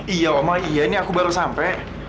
iya omang iya ini aku baru sampe